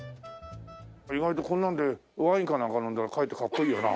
意外とこんなんでワインかなんか飲んだらかえってかっこいいよな。